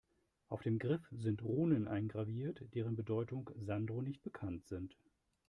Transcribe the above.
Auf dem Griff sind Runen eingraviert, deren Bedeutung Sandro nicht bekannt sind.